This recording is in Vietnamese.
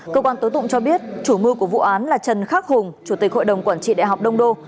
cơ quan tố tụng cho biết chủ mưu của vụ án là trần khắc hùng chủ tịch hội đồng quản trị đại học đông đô